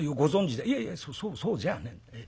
「いえいえそうじゃねえ。